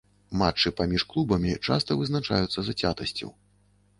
Матчы паміж клубамі часта вызначаюцца зацятасцю.